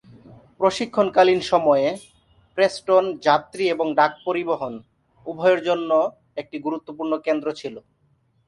প্রশিক্ষণকালীন সময়ে, প্রেস্টন যাত্রী এবং ডাক পরিবহণ উভয়ের জন্য একটি গুরুত্বপূর্ণ কেন্দ্র ছিল।